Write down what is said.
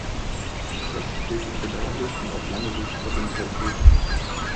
Das ist wirklich bedauerlich und auf lange Sicht potenziell schädlich.